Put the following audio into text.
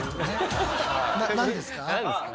何ですか？